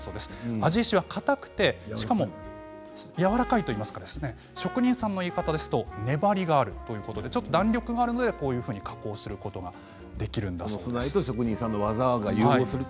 庵治石は硬くて、しかもやわらかいといいますか職人さんのいい方だと粘りがあるということで弾力があるのでこういうふうに加工することができるそうです。